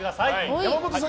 山本さん